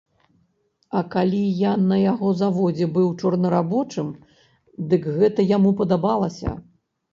А калі я на яго заводзе быў чорнарабочым, дык гэта яму падабалася!